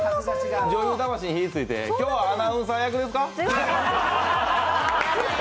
女優魂に火ついて、今日はアナウンサー役ですか？